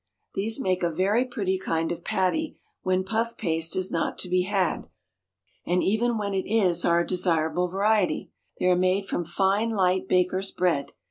_ These make a very pretty kind of patty when puff paste is not to be had, and even when it is are a desirable variety. They are made from fine light baker's bread.